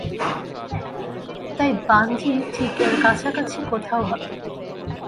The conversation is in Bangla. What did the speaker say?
তাই বাঞ্জি ঠিক এর কাছাকাছি কোথাও হবে।